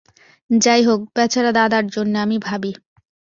যাই হোক, বেচারা দাদার জন্যে আমি ভাবি।